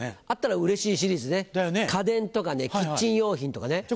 あったら嬉しいシリーズね家電とかキッチン用品とかね。